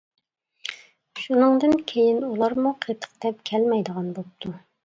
شۇنىڭدىن كىيىن ئۇلارمۇ قېتىق دەپ كەلمەيدىغان بوپتۇ.